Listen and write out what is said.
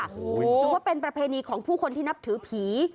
หรือว่าเป็นประเพณีของผู้คนที่นับถือผี